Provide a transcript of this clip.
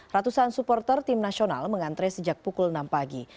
ratusan supporter tim nasional mengantre sejak pukul enam pagi